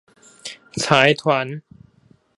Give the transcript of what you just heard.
財團